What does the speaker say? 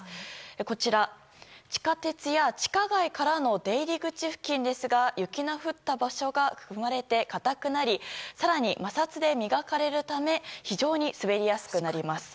こちら、地下鉄や地下街からの出入り口付近ですが雪が降った場所が踏まれて固くなり更に摩擦で磨かれるため非常に滑りやすくなります。